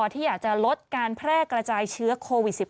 ที่อยากจะลดการแพร่กระจายเชื้อโควิด๑๙